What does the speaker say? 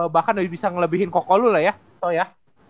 bahkan bisa ngelebihin koko lu lah ya so ya